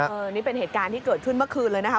อันนี้เป็นเหตุการณ์ที่เกิดขึ้นเมื่อคืนเลยนะคะ